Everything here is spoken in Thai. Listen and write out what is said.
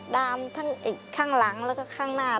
ดามทั้งข้างหลังแล้วก็ข้างหน้า